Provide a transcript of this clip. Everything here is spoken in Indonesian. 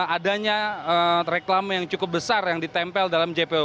adanya reklama yang cukup besar yang ditempel dalam jpo